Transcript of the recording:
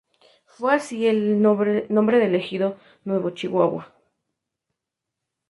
Fue asi el Nombre del Ejido "Nuevo Chihuahua".